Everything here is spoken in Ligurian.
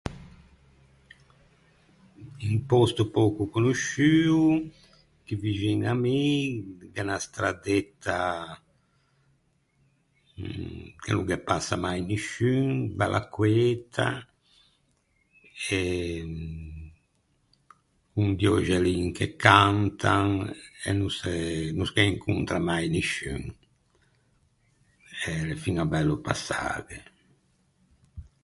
Un pòsto pöco conosciuo chì vixin à mi, gh’é unna straddetta che no ghe passa mai nisciun, bella queta e con di öxellin che cantan e no se no se incontra mai nisciun. E l’é fiña bello passâghe.